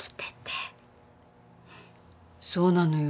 そうなのよ